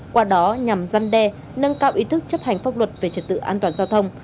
qua đó nhằm giăn đe nâng cao ý thức chấp hành pháp luật về trật tự an toàn giao thông